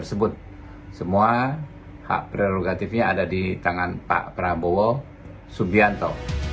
semua hak prerogatifnya ada di tangan pak prabowo subianto